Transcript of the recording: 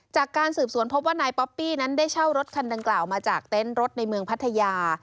จากการสืบสวนพบว่านายป๊อปปี้นั้นได้เช่ารถคันดังกล่าวมาจากเต็นต์รถในเมืองพัทยา